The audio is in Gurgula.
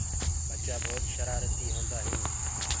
ٻچآ ڀوت شرآرتي هوندآ هينٚ۔